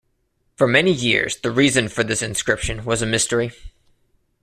For many years the reason for this inscription was a mystery.